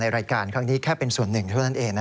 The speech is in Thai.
รายการครั้งนี้แค่เป็นส่วนหนึ่งเท่านั้นเอง